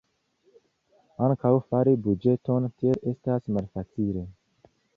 Ankaŭ fari buĝeton tiel estas malfacile.